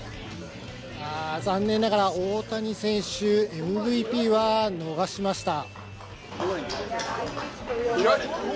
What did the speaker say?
残念ながら、大谷選手、ＭＶＰは逃しました。